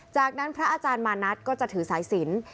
จากนั้นพระอาจารย์มานัดก็จะถือสายสิน